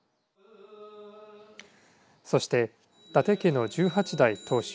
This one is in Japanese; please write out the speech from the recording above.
そして伊達家の１８代当主